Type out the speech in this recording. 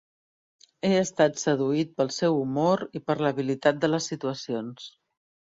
He estat seduït pel seu humor i per l'habilitat de les situacions.